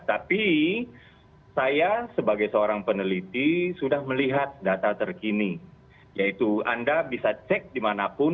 tapi saya sebagai seorang peneliti sudah melihat data terkini yaitu anda bisa cek dimanapun